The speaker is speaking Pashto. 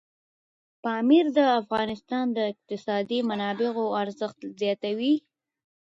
پامیر د افغانستان د اقتصادي منابعو ارزښت زیاتوي.